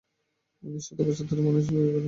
উনিশ শত বৎসর ধরিয়া মানুষ এই বাণী বোঝে নাই।